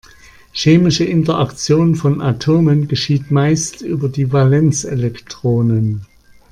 Chemische Interaktion von Atomen geschieht meist über die Valenzelektronen.